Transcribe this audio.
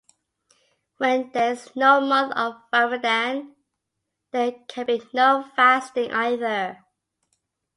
Where there is no month of Ramadan, there can be no fasting either.